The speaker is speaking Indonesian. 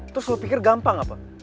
terus lo pikir gampang apa